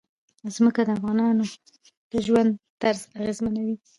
ځمکه د افغانانو د ژوند طرز اغېزمنوي.